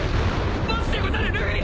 待つでござるルフィ！